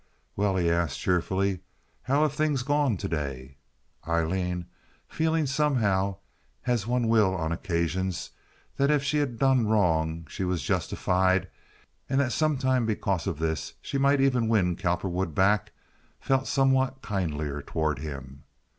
"Well," he asked, cheerfully, "how have things gone to day?" Aileen, feeling somehow, as one will on occasions, that if she had done wrong she was justified and that sometime because of this she might even win Cowperwood back, felt somewhat kindlier toward him.